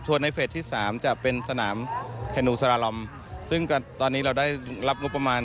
ส่วนในเฟสที่๓จะเป็นสนามแคนูซาราลอมซึ่งตอนนี้เราได้รับงบประมาณ